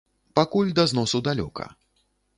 Пакуль да зносу далёка.